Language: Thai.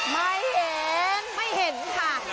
ไม่เห็นไม่เห็นค่ะ